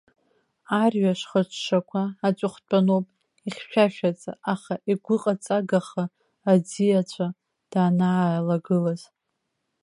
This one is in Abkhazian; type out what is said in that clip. Арҩаш хыҽҽақәа, аҵыхәтәаноуп, ихьшәашәаӡа, аха игәыҟаҵагаха аӡиаҵәа данналагылаз.